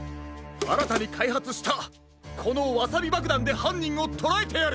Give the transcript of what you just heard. あらたにかいはつしたこのワサビばくだんではんにんをとらえてやる！